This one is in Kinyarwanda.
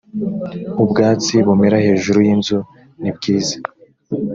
ubwatsi bumera hejuru y inzu nibwiza